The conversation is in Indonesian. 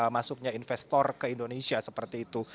masuknya investor ke indonesia seperti itu